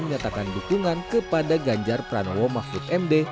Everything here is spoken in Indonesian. menyatakan dukungan kepada ganjar pranowo mahfud md